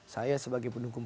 saya sebagai pendukung